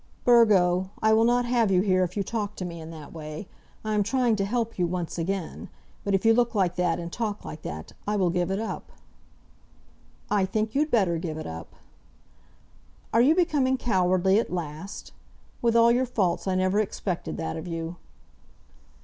"Burgo, I will not have you here if you talk to me in that way. I am trying to help you once again; but if you look like that, and talk like that, I will give it up." "I think you'd better give it up." "Are you becoming cowardly at last? With all your faults I never expected that of you."